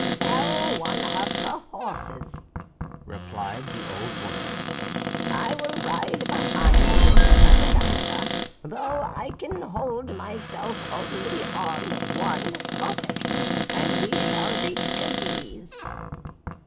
"Sell one of the horses," replied the old woman. "I will ride behind Miss Cunegonde, though I can hold myself only on one buttock, and we shall reach Cadiz."